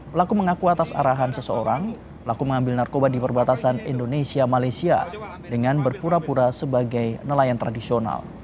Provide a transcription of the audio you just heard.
pelaku mengaku atas arahan seseorang pelaku mengambil narkoba di perbatasan indonesia malaysia dengan berpura pura sebagai nelayan tradisional